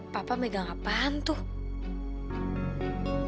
papa megang apaan tuh